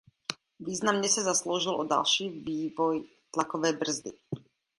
Významně se zasloužil o další vývoj tlakové brzdy.